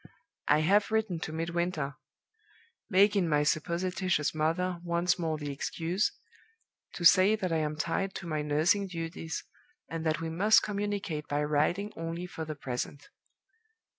I have written to Midwinter making my supposititious mother once more the excuse to say that I am tied to my nursing duties, and that we must communicate by writing only for the present.